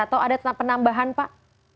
atau ada penambahan pak